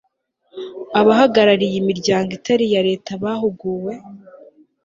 abahagariye imiryango itari iya leta bahuguwe